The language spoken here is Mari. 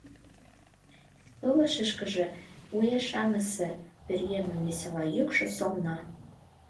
Пылышышкыже уэш шаҥгысе пӧръеҥын весела йӱкшӧ солна: